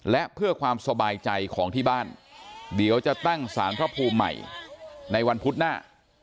และเพื่อความสบายใจของที่บ้านเดี๋ยวจะตั้งสารพระภูมิใหม่ในวันพุธหน้า